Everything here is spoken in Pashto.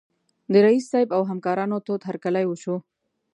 د رییس صیب او همکارانو تود هرکلی وشو.